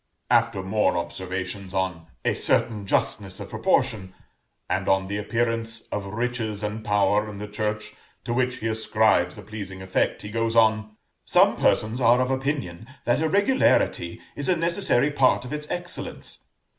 After more observations on "a certain justness of proportion," and on the appearance of riches and power in the church, to which he ascribes a pleasing effect, he goes on: "Some persons are of opinion that irregularity is a necessary part of its excellence.